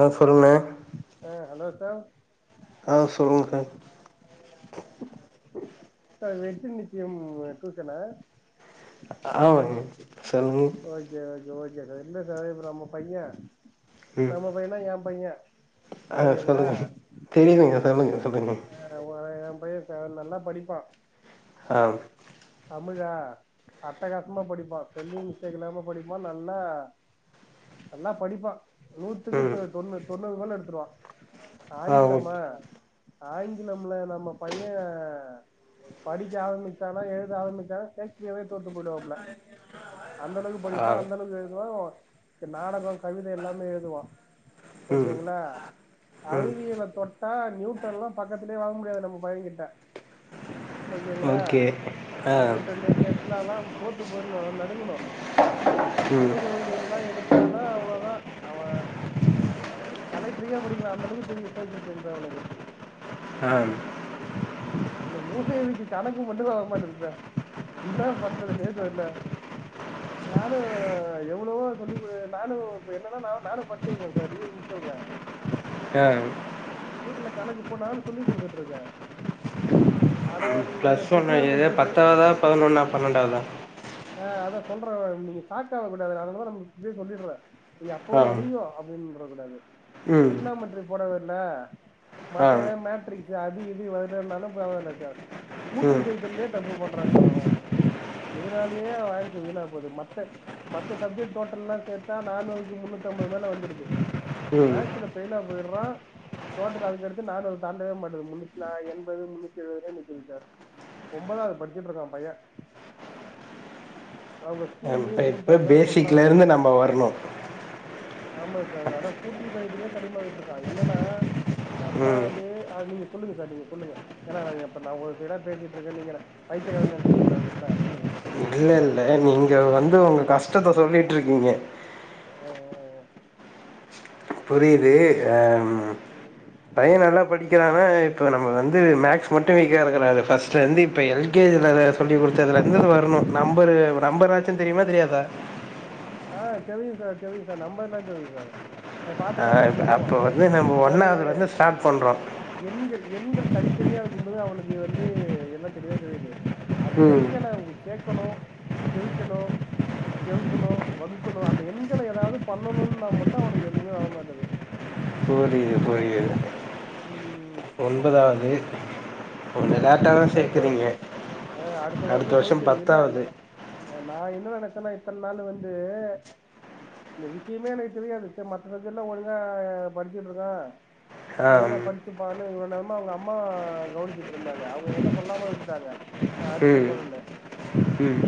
ஆ சொல்லுண்ணே ஆ hello sir ஆ சொல்லுங்க சார் சார் வெற்றி நிச்சியம் டூசனா ஆமாங்க சொல்லுங்க ஓகே ஓகே ஒகே இல்ல சார் இப்ப நம்ம பைய ம் நம்ம பையனா எ பைய ஆ ஓகேங்களா சொல்லுங்க தெரியுதுங்க சொல்லுங்க சொல்லுங்க ஆ எ பைய சார் நல்லாப் படிப்பா ஆ தமிழா அட்டகாசமா படிப்பா ஸ்பெல்லிங் மிஸ்டேக் இல்லாம படிப்பா நல்லா நல்லா படிப்பா நூத்துக்கு ம் தொ தொண்ணு தொண்ணூறு போல எடுத்துருவா ஆ ஓகே ஆங்கிலமா ஆங்கிலம்ல நம்ம பைய படிக்க ஆரம்பிச்சானா எழு த ஆரம்பிச்சன்னா ஸேக்ஸ்பியரே தோத்து போயடுவாப்புல அந்த அளவுக்கு ஆ படிப்பா அந்த அளவுக்கு எழுதுவா க்க நாடகோ கவிதை எல்லாமே எழுதுவா ம் ஓகேங்களா ம் அறிவியல தொட் ட நியூட்டன்லா பக்கத்திலயே வர முடியாது நம்ம பய கிட்ட ஓகேங்களா ஓகே ஆ நியூட்டன்னு டெஸ்டால்லா தோத்து போயிடனு நடுக்கணு ம் [unintelligible] யெல்லா எடுத்தானா அவ்ளோதா அவ அவ வந்து கலைக்டரயே படிக்கலா அந்த அளவுக்கு தெரியு சோசியல் சைன்ஸ் அவனுக்கு ஆ இந்த மூதேவிக்கு கணக்கு மட்டுந்த வரமாடிது சார் என்ன பண்றதுனே தெர்ல நானும் எவ்வளவோ சொல்லி நானும் இப்ப என்னன்னா ந நானும் படிச்சிருக்கே டிகிரி முடிச்சிருக்கே ப்ரோ க ஆ கணக்கு போலனு சொல்லி் குடுத்துட்டு இருக்கே அட ப்ளஸ் ஒன்று ஏத ட்ரிகனாமெட்ரி பத்தாவதா பதினொன்னா பன்னெண்டாவதா ஆ அதான் சொறேன் நீங்க சாக்காவ கூடாது அதனாலதா நா இப்பவே சொல்லிடுறே நீங்க அப்ப ஆ வந்து ஐய்யயோ அப்படின்ற கூடாது இந்த ம் ட்ரிக் நா மண்டி போட வேல ஆ மத்த ஏதாவது மேட்ரிக்ஸ் அது இது வந்துனாலு [unintelligible] கூட்டல் ம் கழித்தல்லேயே தப்பு பண்றாக்க அவ இதனாலயே அவ ஆயிசு வீணா போது மத்த மத்த சப்ஜெக்ட் டோட்டல் எல்லாம் சேர்த்தா நானூறு முன்னூறு ஐம்பது மேத வந்துடுது ம் மேக்ஸ்ல பைல்ல போயிடுறா டோட்டல் அதுக்கடுத்து நானுரு தாண்டவே மாட்டறது முன்னூ எண்பது முன்னூத்தி எழுது நக்குது சார் ஒன்பதாவது படிச்சிட்டு இருக்கா பைய்யா அவுங்க இப்போ பேசிக்கல இருந்து நம்ம வரணு ஆமா சார் அதான் கூட்டல் கழுத்தலிலயே தடுமாறிட்டு இருக்கா என்னன்னா ம் பத்தாவது நீங்க சொல்லுங்க சார் நீங்க சொல்லுங்க ஏன்னா அப்பற நான் உட பேசிட்டு இருக்கே நீங்க என்ன பைத்தியகாரனு நெனச்சிற கூடாது இல்ல சொல்லுங்க இல்ல இல்ல நீங்க ஆ. வந்து உங்க கஷ்டத்தை சொல்லிட்டு இருக்கீங்க புரியுது பையன் நல்லா படிக் வைக்கலான இப்ப நம்ம வந்து மேக்ஸ் மட்டும் வெக்க இருக்கஸ் வந்து இப்ப எல் கே ஜி சொல்லி கொடுத்தது சங்கர் வரணும் நம்பரு நம்பர்னாச்சு தெரியுமா தெரியாதா ஆ தெரியு சார் தெரியு சார் நம்பர்ல்லாம் தெரியும் சார் அத பாத்து ஆ கரெக்டா சொல்ருவான். அப்ப வந்து நம்ம அதாவது ஒன்னாவது வந்து ஸ்டார்ட் பண்றோ எண்கள் எண்கள் தனித்தனியா இருக்கும்போது அவனுளுக்கு வந்து எல்லாம் தெலீவா தெரிது அந்த ம் எண்களை உ சேர்க்கணு செவிக்கணு செவிக்கணு வகுக்கணும் அந்த எண்களை ஏதாவது பண்ணணும் நா மட்டும் அவனுக்கு எதுவுமே வரமாட்டது புரிது ம் முப்பதாவது கொஞ்ச ம். லேட்டா தா அதான் சார் சேர்க்கறீங்க ஆ அடுத்த வருஷம் பத்தாவது நான் என்ன நினைச்சேன்னா இத்தனை நாள் வந்து இந்த விஷயமே எனக்கு தெரியாது மத்த சஜெக்ட் எல்லா ஒழுங்கா படிச்சட்டு இருக்க ஒழுங்கா ஆம் படிச்சுப்பானு இவ்ளவு நேரமா அவங்க அம்மா கவனிச்சு இருந்தாங்க அவங்க கிட்ட சொல்லாம விட்டுட்டாங்க நா ம் அடிச்சிடுன்னோனு ம்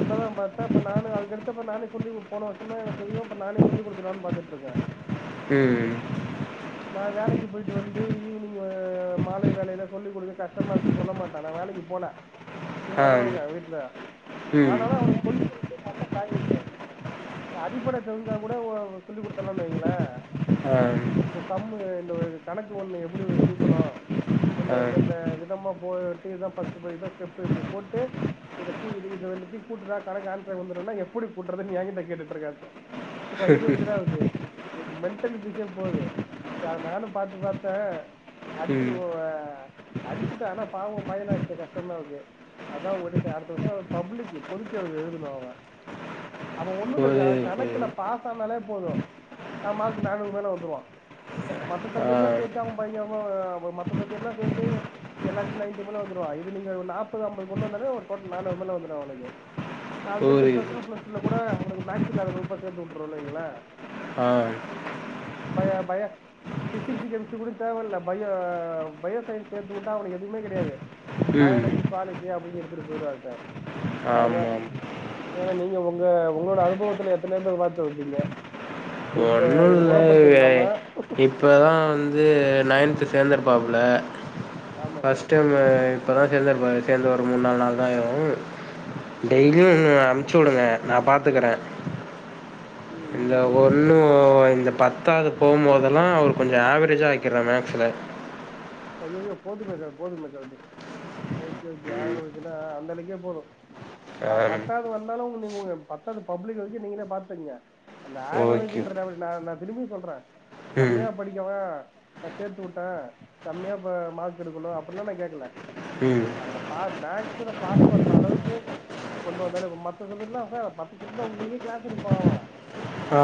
இப்பதா பாத்தா இப்ப நானு அதுக்கடுத்தப்ப நானே சொல்லி போன வருஷ தான் எனக்கு தெரியும் இப்ப நானே சொல்லி கொடுத்த நான்னு பாத்துட்டு இருக்கே ச ம் நான் வேலைக்கு போயிட்டு வந்து ஈவினிங் மாலை வேலையில சொல்லிக் கொடுக்க கஷ்டமா இருக்குன்னு சொல்ல மாட்டான வேலை க்கு போல சும்மாதா ஆம் இருக்க வீட்டுல ம் ஆனாலும் அவனுக்கு சொல்லிக கொடுட்டு மண்டா கயிதுங்க அடிப்படை தெரிஞ்ச கூட சொல்லி்டுத்தலனு வைங்கள ஆம் சம் இந்த கணக்கு ஒண்ணு எப்படி தீக்கணு இந்தெந்த ஆம் எந்தெந்த விதமா போட்டு ஸ்ட இப்படி போட்டு இத கூ எப்படி கூட்டுறதுன்னு என்கிட்ட கேட்டுட்டு இருக்க சார் பைத்த வக்கன இருக்கு மென்டல பீஸே போகுது அத நானும் பாத்து பாத்தேன் அடிச்சுட்டு ம் போ அடிச்சுட்டா ஆனா பாவம் பையனா அடுச்ச கஷ்டம்தா ஆவுது அதா உங்கட்ட சே அடுத்த வருஷம் அவ பப்ளிக்கு பொதுத்தேர்வு எழுதனும் அவ அவ ஒண்ணுல்ல புரியுது கணக்குல புரியுது பாசனாலே போதும் ஆ மார்க்கு நானூறு மேல வந்துருவா மத்த ஆ சப்ஜெக்ட்ல்லா சேத்து அவன் பயிக்காம அவ மத்த சப்ஜெக்ட்ல்லா சேத்து எல்லாத்தையு நைன்டி மேல வந்துருவா இது நீங்க ஒரு நாப்பது ஐம்பது கொண்டு வந்தாலே ஒருடோட்டல் நானூறு மேல வந்துருவா உனக்கு அதுக்கடுத்து பிளஸ் புரியுது ஒன் பிளஸ் டூல கூட உனக்கு மேக்ஸ்ஸில்லாத குரூபா சேர்த்து வுட்ருவன்னு வைங்களே ஆ பயோ பயோ பிசிக்ஸு கெமிஸ்ட்ரி கூட தேவயில்ல பயோ பயோசயின்ன்ஸ் சேர்த்துவிட்டா அவனுக்கு எதுவுமே கிடையாது ம் பயாலஜி ஜூவாலஜி அப்டின்னு எடுத்துட்டு போயிடுவாங்க அதா ஆமாம் ஏன்னா நீங்க உங்க உங்களோட அனுபவத்துல எத்தனயோ பேர் பாத்துருப்பீங்க இந்த இது குணப்படுத்தில்லாம இப்பதா வந்து நைன்து சேர்ந்திருபாப்புல ஆமா சார் ஃபஸ்ட்டைமு இப்பதா சேர்ந்திருப்பாரு சேர்ந்து ஒரு மூணு நாலு நாள் தா ஆயும் ம் டெய்லியும் அனுச்சு வுடுங்க நா பாத்துக்கறே ம் ம் இந்த ம் ம் ஒன்னு ஓகே சார் இந்த பத்தாவது போகும்போதெல்லா அவரு கொஞ்சம் ஆவரேஜா நிக்கற மேக்ஸுல ஐய்யய்யோ போதுமேக்க போதுமேக்காது ஓகே ஓகே ம் ஆரம்பிச்சன்னா அந்த அன்னக்கே போதும் ஆ ப பத்தாவது வந்தாலு நீ பத்தாவது பப்ளிக் வெரிக்கு நீங்களே பாத்துக்கங்க அந்த ஓகே ஆவரேஜ்ஜின்றத நா நா திரும்பி சொல்ற ம் கம்மியா படிக்கவோ நா சேர்த்து வுட்ட கம்மியா ப்ப மார்க் எடுக்கணு அப்பில்லா நா கேக்கல ம் அவன பார் மேக்ஸ்ல பாஸ் பண்ற அளவுக்கு கொண்டு வந்தாலே மத்த சப்ஜட்லா சார் பத்து சப்ஜட்ல உங்களுக்கே கிளாஸ் எடுப்பா ஆ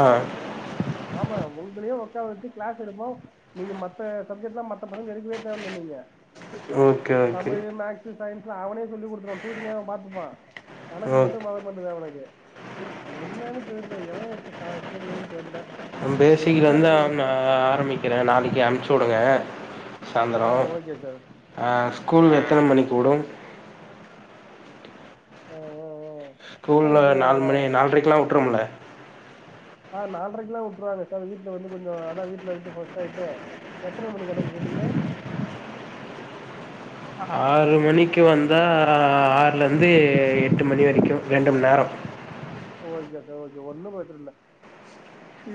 ஆமா உங்களையும் உக்கார வச்சு கிளாஸ் எடுப்பா நீங்க மத்த சப்ஜெக்ட்லா மத் தல்லா எடுக்கவே தேவல்ல நீங்க ஓகே ஓகே தமிழ் மேக்ஸ் அவனே சொல்லிகுடுத்துடுவா டூஷனே அவ பாத்துப்பா கணக்கு ஓகே மட்டும் வரமாட்டுக்கு அவனுக்கு என்னான்னு தெர்ல எவ வச்ச சா சூனியோன்னு தெர்ல பேசிக்கிலந்து அவன ஆரம்பிக்கிறேன் நாளைக்கு அனுப்பிச்சி வுடுங்க ஆ ஓகே சார் சாந்திரோஅஹ் ஸ்கூல் எத்தன மணிக்கு வுடும் ஆஹ் ஓ ஓ ஸ்கூல்ல நாலு மணி நால்ரைக்குல்லா வுட்டுறோம்ல ஆஹ் நால்ரைக்குல்லா விட்டுருவாங்க சார் வீட்ல வந்து கொஞ்சோ அதா வீட்ல வச்சு ஆயிட்டு எத்தன மணிக்கு அனுப்புனு ங்க ஆறு மணிக்கு வந்தா ஆறுலேருந்து எட்டு மணி வரைக்கும் ரெண்டு மண் நேரம் ஓகே சார் ஓகே ஒன்னும் பிரச்சனல்ல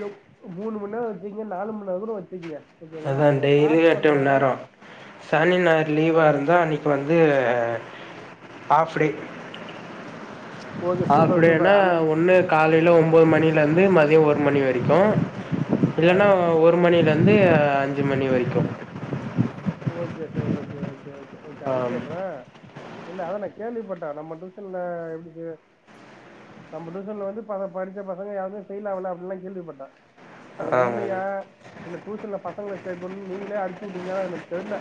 எப் மூணு மண்நேரோ வச்சிக்கங்க நாலு மண் நேரோ கூட வச்சிக்கங்க அதுதா டெய்லி எட்டு மண்நேரோ சனி ஞாயிறு லீவா இருந்தா அன்னிக்கு வந்து half day okay half super டேன்னா சூப்பர் அன்னைக்கு ஒண்ணு காலே ல ஒன்பது மணியிலருந்து மதியம் ஒரு மணி வரைக்கும் ஆ இல்லன்னா ஆ ஒரு மணியிலந் து ஐஞ்சு மணி வரைக்கும் okay sir okay okay okay okay அனுப்பிட்ற இல்ல அதான கேள்விப்பட்டா நம்ம டியூஷன்ல எப்படி நம்ம டியூசன்ல வந்து பல படிச்ச பசங்க யாருமே ஃபெயில் ஆவல அப்டின்ல்லா கேள்விப்பட்ட அது ஆ உண்மையா இல்ல டியூஷன்ல பசங்கள சேக்குன்னு நீங்களே அடிச் சிவுட்டீங்னா அது எனக் தெர்ல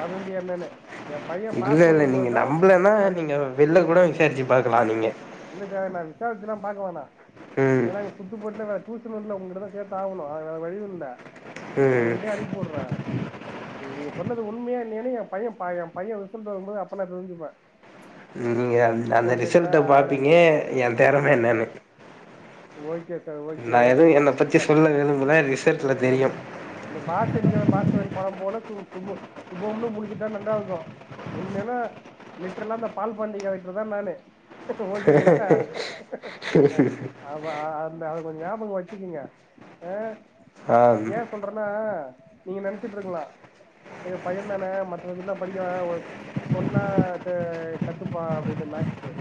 வதந்திய என்னன்னு என் பையன் பாஸ் இல்லல்ல நீங்க பண்ணும்போதுதா நம்பலன்னா அந்த நீங்க வெளில கூட விசாரிச்சு பாக்கலா நீங்க இல்லக்கா நா விசாரிச்சு எல்லா பாக்கவேண்ணா ம் ஏன்னா இங்க சுத்து போட்னு நா ட்யூ அப்புறோ இல்ல உங்ககிட்டதா சேர்தாகனு அது வேற வழியு இல்ல அவங்க ம் கிட்டயே அனுப்பி வுடுறே நீங்க சொன்னது உண் மயா இல்லயானு எ பைய ப எ பைய விசல்ட்டு வரும்போது அப்ப நா கவனிச்சுப்பே நீங்க அந் அந்த ரிசல்ட்ட பாப்பீங்க எ தெறம என்னன்னு ஓகே சார் ஓகே நா என் ஓகே பா என்ன பத்தி இந்த சொல்னோ விரும்பலா ரிசல்ட்ல தெரியு திரும்பி ஆ பாஸ்கரன் படம் போல சு சுமோ சுபம்னு முடிஞச்சுட்டா நல்லா இருக்கு உண்மையில லிட்ரலா அந்த பால் பாண்டி கெரக்டர்தா தா நானு ஓகேங்களா அ ஆமா அந்த கொஞ் ஞாபக வச்சுக்கிங்க அ ஆ ம் ஏ சொல்றேன்னா நீங்க நெனச்சிட்டுருக்களா எங்க பைய தானே மத்த இதுல்லாம் படிக்க வ சொன்னா க கத்துப்பா அப்டின்னு கரெக்டு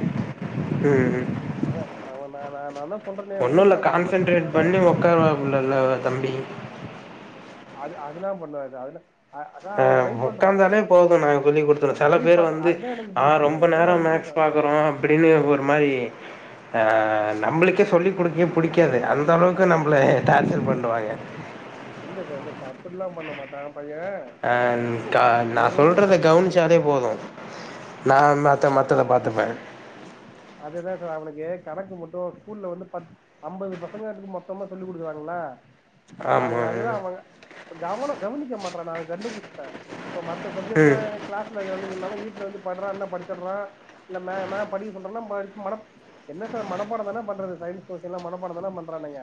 சேரி ஆ அவ நா நா நா என்ன ஒண்ணு இல்ல கான்சன்ட்ரேட் பண்ணி உக்காரப்புலல தம்பி அது அதெல்லா பண்ணாது அதென்ன அதா அவ ட்ரை பண்றான் ஒக்காந்தாலே போதுனா சொல்லிகுடுத்துடுவ அவன் செலோ ட்ரை பேர் பண்றான் வந்து அதுதான் எனக்கு ஆ பிடிச்சது ரொம்ப இல்ல நேர நான் விட்டுருப்பேன் மேக்ஸ் பாக்குரோ அப்டின்னு கேக்கற்கு ஒரு மாரி ஆ நம்மளுக்கே சொல்லிக் குடுக்கே புடிக்காது அந்த அளவுக்கு நம்மள டார்சர் பண்டுவாங்க இல்ல சார் இல்ல சா அப்டில்லா பண்ணமாட்டா அ தா நா எதுவுமே பண் சொல்றத கவனிச்சாலே போது நா மத்த மத்தத பாத்துப்பே அதேதா சார் அவனுக்கு கணக்கு மட்டு ஸ்கூல்ல வந்து பத் அம்பது பசங்களுக்கு மொத்தமா சொல்லிகுடுக்கறாங்கல அவ ஆமா அதேதா அவ கவன கவனிக்க மாட்றா நா அத கண்டுபுடிச்ட்டே இப்ப மத்த சப்ஜெக்ட் லா ம் கிளாஸ்ல கவனிக்கலனாலு வீட்ல வந்து பட்றானா படிச்சிட்றா இந்த மா மா படி பன்றான ம மனப் என்ன சார் மனப்பாட தான பண்றது சயின்ஸ் சொல்ல மனப்பாட தான பண்றானுங்க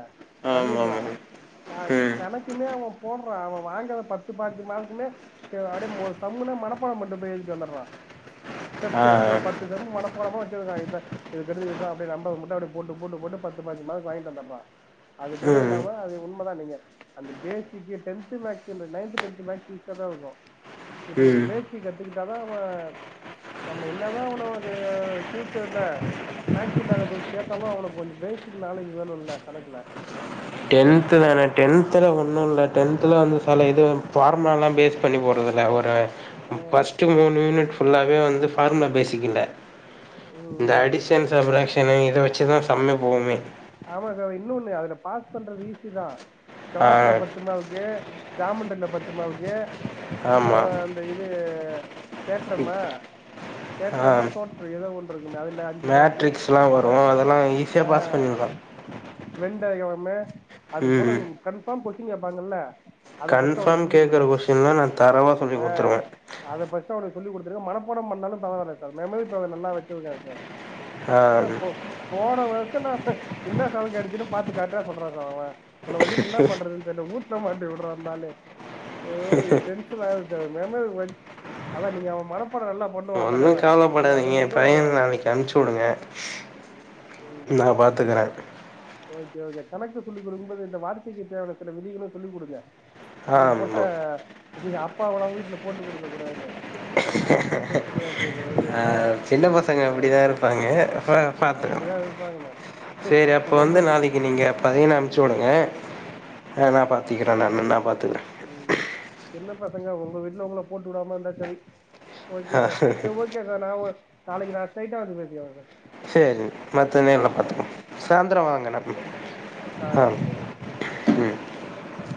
ஆமா பண்ணிட்றா க கணக்குமே அவ போட்றா அவ வாங்கற பத்து பதினஞ்சு மார்க்குமே க அப்டியே ம சம்மு ந மனப்பாட பன்ட்டு வந்து எழுதி வந்நுட்ளா ஸ்டெப்ஸ் ஆ இப்ப பத்து சம்மு மனப்பாடமா [unintelligible] இத ஏய் தெரிது இருடா அப்டியே நம்பர் மட்டு அப்டியே போட்டு போட்டு போட்டு பத்து பதிஞ்சு மார்க் வாங்கிட்டு வந்துரா அது போல ம் இல்லாம அது உண்மதா நீங்க அந்த பேசிக்கு டென்து மேஸ் இந்த நயன்து டென்த்து மக்ஸ் [unintelligible] தா இருக்கு இப்ப கொஞ்சோ ம் பேசிக்கு கத்துக்கிட்டாதா அவ நம்ம என்னதா அவன வந்து ஃபியூச்சர்ல மேக்ஸ் இல்லாத குரூப்ஸ்ல சேரனுனா அவனுக்கு கொஞ்சோ பேசிக் நாலேஜ் வேணுல்ல கணக்குல டென்த் தானே டென்தல ஒன்னு இல்ல டென்தல வந்து சில இது ஃபார்முலாலா பேஸ் பண்ணி போறதுல அது ல ம் ஃபர்ஸ்ட்ட் மூணு யூனிட் ஃபுல்லாவே வந்து ஃபார்முலா பேசிக் இல்ல இந்த ம் அடிஷன் சப்ராக்ஷனு இத வெச்சிதா சம்மே போவுமே அதா அதா இன்னொன்னு அதுல பாஸ் பண்றது ஈசிதா ஆ க்ராஃப்ல பத்து மார்க்கு ஜாமண்ட்ரில பத்து மார்க்கு இன்னோ ஆமா அந்த இது தேட்ரமா ஆ தேட்றமா தோற்று ஏதோ ஒன் மேட்ரிக்ஸ்லா வரு அதெல்லா ஈஸியா பாஸ் பண்ணிர்லா வெண் டைகரமு அது போல ம் கன்ஃபாம் கொஸ்டின் கேப்பாங்கல்ல அத ஃபர்ஸ்ட் கன்ஃபார்ம் அவனுக்கு சொல்லிக் கேக்குற குடுங்க கொஷின்லா நா தரொவா சொல்லி கொடுத்துருவே சா அவனுக்கு சொல்லி குடுத்துருங்க மனப்பாடம் பண்ணாலு பரவாயில்ல சார் மெம்மரி பவர் நல்லா வச்சிருப்பா ஆ சர் போன வருசோ நா என்னா சம்மு கேடச்சிது பாத்து கரெக்டா சொல்றா சார் அவஅவன வச்சிட்டு என்ன பண்றதுன்னு தெரில ஊ ட்னா மாட்டி விட்றா அந்தாளு ஏய் டென்ஷனாவுது ச மெம வச் அவ நீங்க அவ மனப்பாட நல்லா பண்ணுவா ஒன்னு கவலப்படாதீங்க பையன நாளைக்கு அம்ச்சூடுங்க நா பாத்துகற ஓகே ஓகே கணக்கு சொல்லி் குடுக்கும்போது இந்த வார்த்தைக்கு தேவையான சில விதிகளு சொல்லி குடுங்க இது போட்டா ஆ நீங்க அப்பாவலா வீட்ல போட்டு குடுக்க கூடாதுனு ரொம்ப பிரச்சனையா போது ஆ ஓகேங்ளா சின்ன பசங்க அப்டிதான் ஓகேதா இருப்பாங்க பா அப் அப்டிதா இருப்பாங்க இப்ப வந்து நாளைக்கு நீங்க பையன அம்ச்சூடுங்க ஆ டீ கட அண்ண அண்ண ஓகே நா சார் பாத்துகற ம் சின்ன பசங்க ஒங்க வீட்ல ஒங்ள போட்டு வுடாமா இருந்தா செரி ஓகே ஆ சர் சே ஓகே சர் நா ஒ நாளைக்கு நா ஸ்ட்ரைட்டா வந்து பேசிகிற சேரி மத்த நேர்ல பாத்துப்போ சாந்திர வாங்கண்ணா ஓடிசி ஆ ஓக்கே